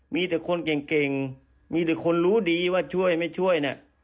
มีแต่คนเก่งมีแต่คนรู้ดีว่าช่วยไม่ช่วยเนี่ย